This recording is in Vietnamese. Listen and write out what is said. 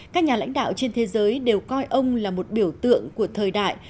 các nhà lãnh đạo trên thế giới đều coi ông là một biểu tượng của thời đại